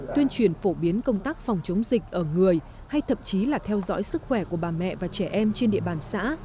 tuyên truyền phổ biến công tác phòng chống dịch ở người hay thậm chí là theo dõi sức khỏe của bà mẹ và trẻ em trên địa bàn xã